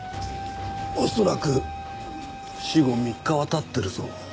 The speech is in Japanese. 恐らく死後３日は経ってるぞ。